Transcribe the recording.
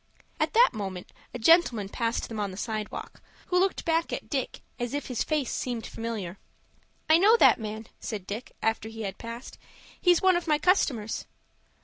At that moment a gentleman passed them on the sidewalk, who looked back at Dick, as if his face seemed familiar. "I know that man," said Dick, after he had passed. "He's one of my customers."